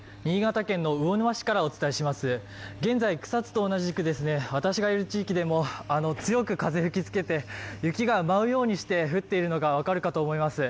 現在、草津と同じく、私がいる地域でも強く風が吹きつけて雪が舞うようにして降っているのが分かるかと思います。